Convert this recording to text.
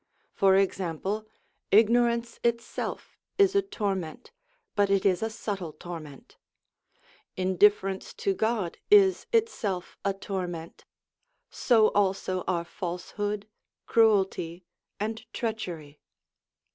For example, ignorance itself is a torment, but it is a subtile torment ; indifference to God is itself a torment, so also are falsehood, cruelty, and treachery.